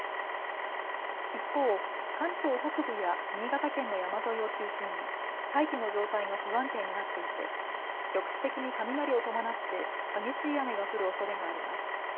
一方、関東北部や新潟県の山沿いを中心に大気の状態が不安定になっていて局地的に雷を伴って激しい雨が降るおそれがあります。